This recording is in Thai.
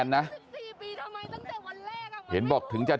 กลับไปลองกลับ